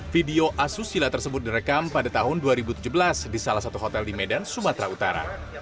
video asusila tersebut direkam pada tahun dua ribu tujuh belas di salah satu hotel di medan sumatera utara